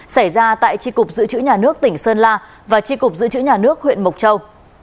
xảy ra tại tri cục dự trữ nhà nước tỉnh sơn la và tri cục giữ chữ nhà nước huyện mộc châu